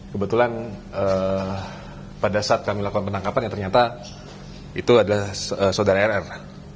kebetulan pada saat kami lakukan penangkapan yang ternyata itu adalah saudara rr